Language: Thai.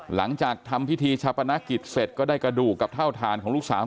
หลังจากทำพิธีชาปนกิจเสร็จก็ได้กระดูกกับเท่าฐานของลูกสาว